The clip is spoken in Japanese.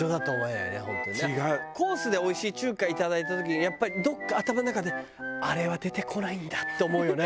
コースでおいしい中華いただいた時にやっぱりどっか頭の中であれは出てこないんだって思うよね。